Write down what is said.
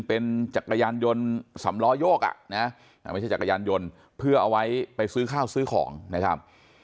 เป็นจักรยานยนต์สำล้อโยกอ่ะนะไม่ใช่จักรยานยนต์เพื่อเอาไว้ไปซื้อข้าวซื้อของนะครับ